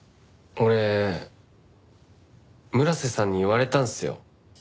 俺村瀬さんに言われたんすよ。